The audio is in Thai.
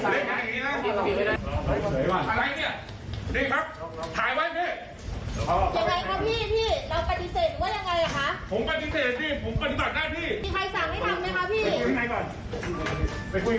ไปคุยกันทั้งหลายก่อน